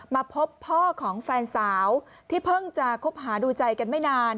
มาพบพ่อของแฟนสาวที่เพิ่งจะคบหาดูใจกันไม่นาน